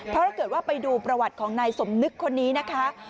เพราะถ้าเกิดว่าไปดูประวัติของนายสมนึกคนนี้นะคะ